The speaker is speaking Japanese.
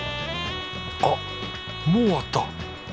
あっもうあった。